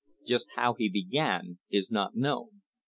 Just how he began is not known.